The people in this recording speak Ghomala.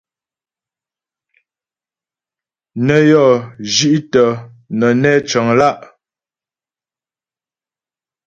Nə́ yɔ́ zhi'tə nə́ nɛ́ cəŋ lá'.